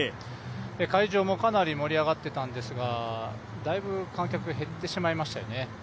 会場もかなり盛り上がってたんですがだいぶ観客が減ってしまいましたね。